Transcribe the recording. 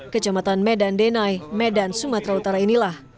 kecamatan medan denai medan sumatera utara inilah